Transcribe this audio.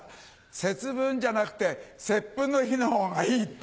「節分じゃなくて接吻の日の方がいい」って。